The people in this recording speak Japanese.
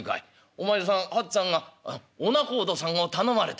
お前さん八っつぁんがお仲人さんを頼まれた」。